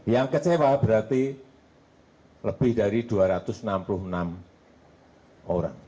yang kecewa berarti lebih dari dua ratus enam puluh enam orang